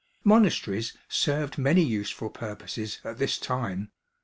Monasteries served many useful purposes at this time.